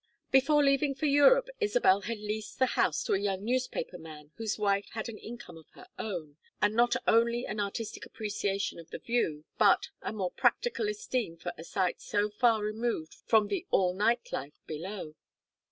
Before leaving for Europe Isabel had leased the house to a young newspaper man whose wife had an income of her own, and not only an artistic appreciation of the view, but a more practical esteem for a site so far removed from the "all night life" below.